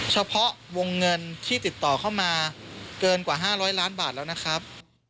เฉพาะวงเงินที่ติดต่อเข้ามาเกินกว่า๕๐๐ล้านบาทแล้วนะครับ